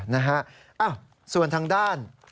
นะฮะส่วนทางด้าน